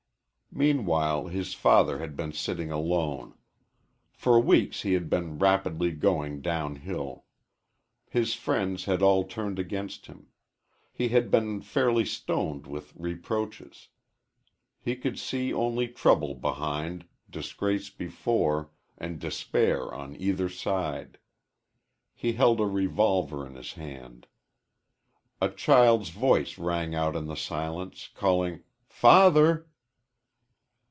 Meanwhile his father had been sitting alone. For weeks he had been rapidly going downhill. His friends had all turned against him. He had been fairly stoned with reproaches. He could see only trouble behind, disgrace before, and despair on either side. He held a revolver in his hand. A child's voice rang out in the silence, calling "father."